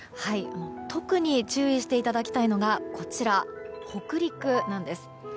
特に注意していただきたいのが北陸なんです。